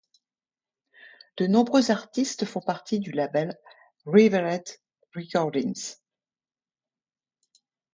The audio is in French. De nombreux artistes font partie du label Revealed Recordings.